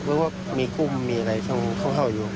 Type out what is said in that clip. เพราะว่ามีกุ้มมีอะไรเข้าอยู่